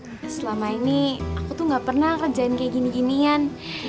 soalnya selama ini aku tuh ga pernah ngerjain kayak gini ginian